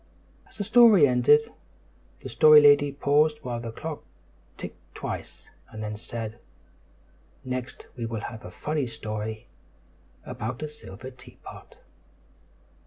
As the story ended, the Story Lady paused while the clock ticked twice, and then said, "Next we will have a funny story about a silver teapot."